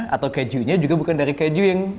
atau kejunya juga bukan dari keju yang